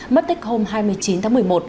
mất tích hôm hai mươi chín tháng một mươi một